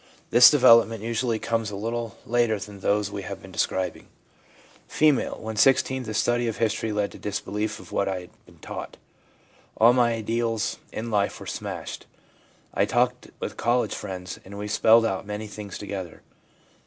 This development usually comes a little later than those we have been describing. F. ' When 16 the study of history led to disbelief of what I had been taught. All my ideals in life were smashed. I talked with college friends, and we spelled out many things together.